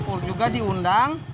oh juga diundang